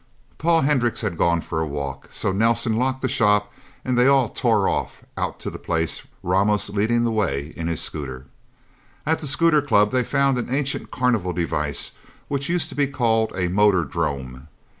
Paul Hendricks had gone for a walk. So Nelsen locked the shop, and they all tore off, out to the place, Ramos leading the way in his scooter. At the scooter club they found an ancient carnival device which used to be called a motordrome.